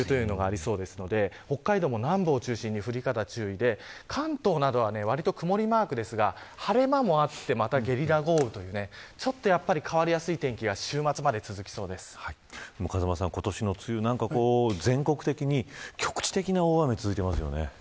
えぞ梅雨というのがありそうですので北海道も南部を中心に降り方に注意で、関東はわりと曇りマークですが晴れ間もあってまたゲリラ豪雨という変わりやすい天気が風間さん、今年の梅雨全国的に局地的な大雨続いてますよね。